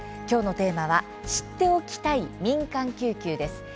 きょうのテーマは「知っておきたい民間救急」です。